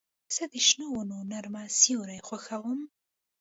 زه د شنو ونو نرمه سیوري خوښوم.